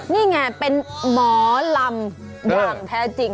นี่ไงเป็นหมอหลอมหลอมแพ้จริง